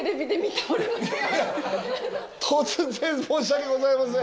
突然申し訳ございません！